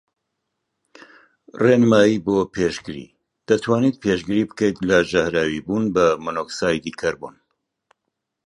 ڕێنمایی بۆ پێشگری:دەتوانیت پێشگری بکەیت لە ژەهراویبوون بە مۆنۆکسایدی کەربۆن